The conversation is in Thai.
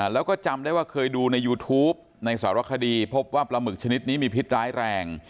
แล้วก็จำได้ว่าเคยดูในยูทูปในสารคดีพบว่าปลาหมึกชนิดนี้มีพิษร้ายแรง